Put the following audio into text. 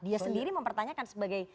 dia sendiri mempertanyakan sebagai